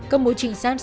cấp mối trinh sát